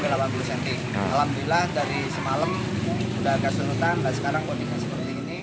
alhamdulillah dari semalam udah keserutan dan sekarang kondisi seperti ini